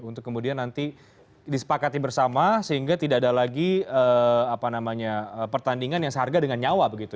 untuk kemudian nanti disepakati bersama sehingga tidak ada lagi pertandingan yang seharga dengan nyawa begitu